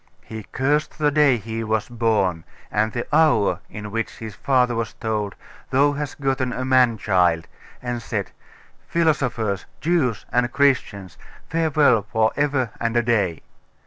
He cursed the day he was born, and the hour in which his father was told, "Thou hast gotten a man child," and said, "Philosophers, Jews, and Christians, farewell for ever and a day!